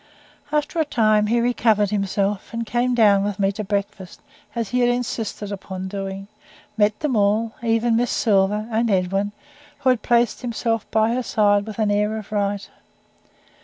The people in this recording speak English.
After a time he recovered himself, and came down with me to breakfast, as he had insisted upon doing; met them all, even Miss Silver and Edwin, who had placed himself by her side with an air of right.